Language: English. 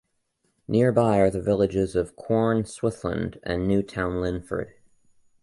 Nearby are the villages of Quorn, Swithland, and Newtown Linford.